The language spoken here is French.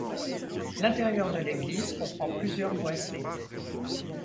L'intérieur de l'église comprend plusieurs boiseries.